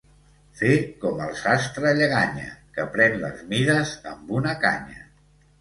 Fer com el sastre Lleganya, que pren les mides amb una canya.